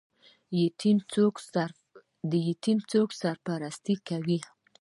یتیم څوک سرپرستي کوي؟